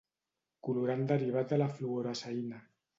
Colorant derivat de la fluoresceïna.